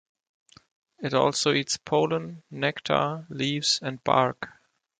It also eats pollen, nectar, leaves, and bark.